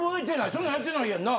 そんなんやってないやんな？